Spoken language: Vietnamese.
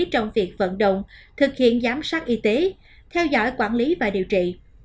trong việc vận động thực hiện giám sát y tế theo dõi quản lý và điều trị